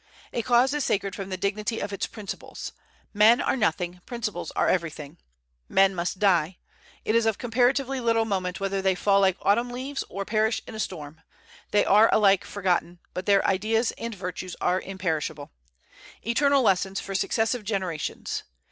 A cause is sacred from the dignity of its principles. Men are nothing; principles are everything. Men must die. It is of comparatively little moment whether they fall like autumn leaves or perish in a storm, they are alike forgotten; but their ideas and virtues are imperishable, eternal lessons for successive generations.